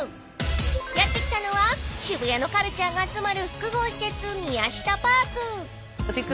やって来たのは渋谷のカルチャーが集まる複合施設］